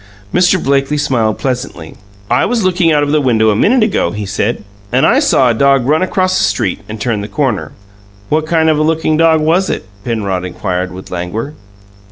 Mr. Blakely smiled pleasantly. "I was looking out of the window a minute ago," he said, "and I saw a dog run across the street and turn the corner." "What kind of a lookin' dog was it?" Penrod inquired, with languor.